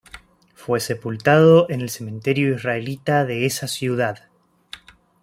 Fue sepultado en el Cementerio Israelita de esa ciudad.